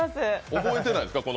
覚えてないですか？